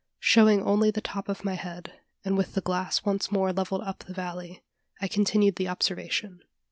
Showing only the top of my head, and with the glass once more levelled up the valley, I continued the observation.